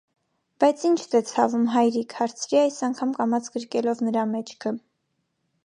- Բայց ի՞նչդ է ցավում, հայրիկ,- հարցրի, այս անգամ կամաց գրկելով նրա մեջքը: